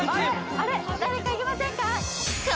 あれ誰かいけませんか？